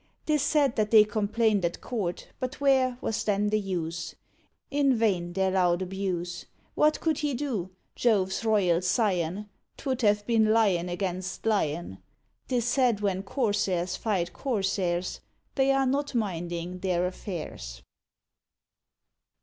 'Tis said that they complained at court; but where Was then the use? in vain their loud abuse. What could he do? Jove's royal scion! 'Twould have been Lion against Lion. 'Tis said when Corsairs fight Corsairs, They are not minding their affairs.